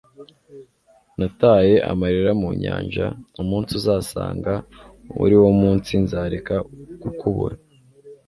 nataye amarira mu nyanja umunsi uzasanga ariwo munsi nzareka kukubura